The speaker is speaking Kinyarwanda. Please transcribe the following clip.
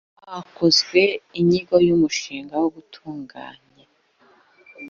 hakozwe inyigo y’umushinga wo gutunganya